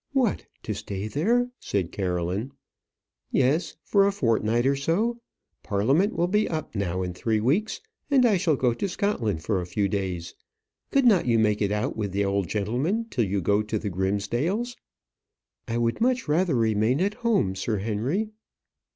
"What, to stay there?" said Caroline. "Yes; for a fortnight or so. Parliament will be up now in three weeks, and I shall go to Scotland for a few days. Could not you make it out with the old gentleman till you go to the Grimsdale's?" "I would much rather remain at home, Sir Henry."